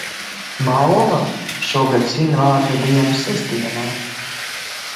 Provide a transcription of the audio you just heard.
Malva šogad svin vārda dienu sestdienā.